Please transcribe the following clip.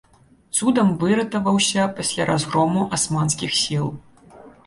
Цудам выратаваўся пасля разгрому асманскіх сіл.